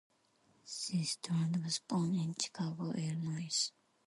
Seastrand was born in Chicago, Illinois.